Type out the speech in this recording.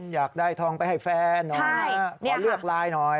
อยากได้ทองไปให้แฟนหน่อยขอเลือกไลน์หน่อย